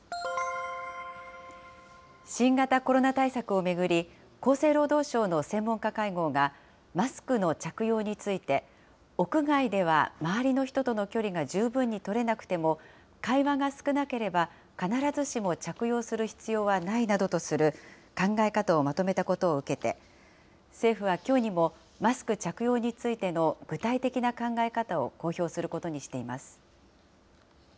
新型コロナ対策を巡り、厚生労働省の専門家会合が、マスクの着用について、屋外では周りの人との距離が十分に取れなくても、会話が少なければ、必ずしも着用する必要はないなどとする考え方をまとめたことを受けて、政府はきょうにも、マスク着用についての具体的な考え方を公表することにしています。